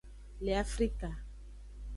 Le afrka.